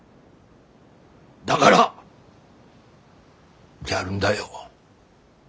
だがらやるんだよ。